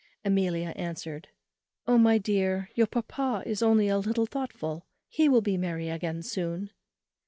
Amelia answered, "Oh! my dear, your papa is only a little thoughtful, he will be merry again soon."